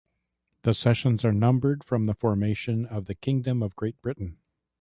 The sessions are numbered from the formation of the Kingdom of Great Britain.